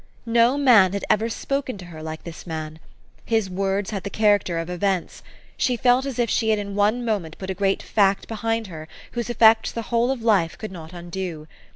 No man had ever spoken to her like this man. His words had the character of events. She felt as if she had in one moment put a great fact behind her, whose effects the whole of life could not undo.